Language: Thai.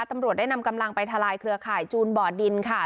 ตำรวจได้นำกำลังไปทลายเครือข่ายจูนบ่อดินค่ะ